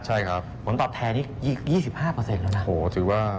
ใช่ครับผลตอบแทนนี่๒๕แล้วนะ